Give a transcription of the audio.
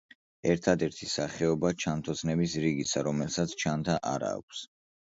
ერთადერთი სახეობა ჩანთოსნების რიგისა, რომელსაც ჩანთა არა აქვს.